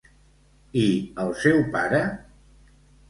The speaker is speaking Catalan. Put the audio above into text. I el seu pare?